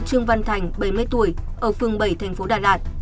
thành bảy mươi tuổi ở phường bảy tp đà lạt